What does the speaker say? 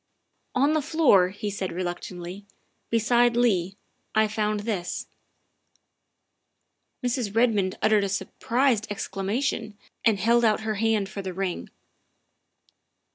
" On the floor," he said reluctantly, " beside Leigh, I found this." Mrs. Redmond uttered a surprised exclamation and held out her hand for the ring.